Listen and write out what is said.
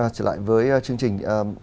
vâng trở lại với chương trình